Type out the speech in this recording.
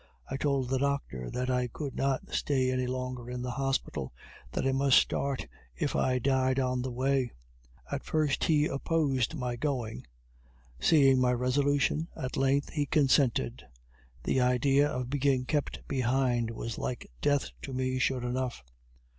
I told the Doctor that I could not stay any longer in the hospital that I must start if I died on the way. At first he opposed my going; seeing my resolution, at length he consented. The idea of being kept behind was like death to me sure enough.